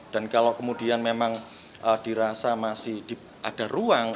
dan kalau kemudian memang dirasa masih ada ruang